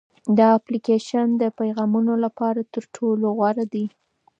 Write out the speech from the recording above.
دا اپلیکیشن د پیغامونو لپاره تر ټولو غوره دی.